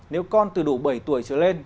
nếu con từ đủ bảy tuổi trở lên